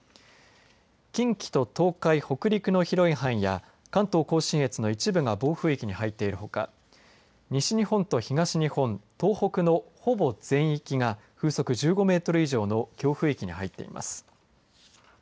近畿と東海、北陸の広い範囲や関東甲信越の一部が暴風域に入っているほか西日本と東日本、東北のほぼ全域が風速１５メートル以上の強風域に入っています。